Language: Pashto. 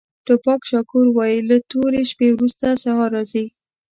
ټوپاک شاکور وایي له تورې شپې وروسته سهار راځي.